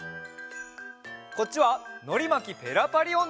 こっちは「のりまきペラパリおんど」のえ！